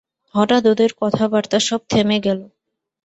হঠাৎ ওদের কথাবার্তা সব থেমে গেল।